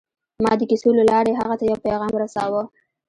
ما د کیسو له لارې هغه ته یو پیغام رساوه